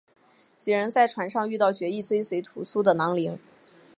几人在船上遇到决意追随屠苏的襄铃。